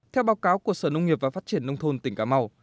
theo báo cáo của sở nông nghiệp và phát triển nông thôn tỉnh cà mau